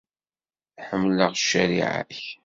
Ḥemmleɣ ccariɛa-k.